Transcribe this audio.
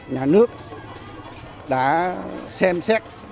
nhà nước đã xem xét